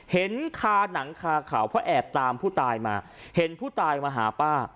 เห็นคาหนังคาเขาเพราะแอบตามผู้ตายมาเห็นผู้ตายมาหาป้า